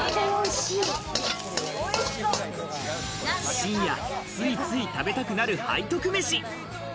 深夜、ついつい食べたくなる背徳メシ。